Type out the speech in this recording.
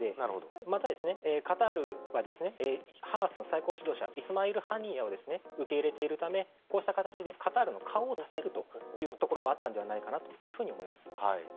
また、カタールはハマスの最高指導者イスマイル・ハニヤを受け入れているためこうした形でカタールの顔を立てるということもあったと思います。